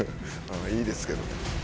いいですけど。